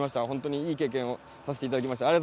本当にいい経験をさせていただきました。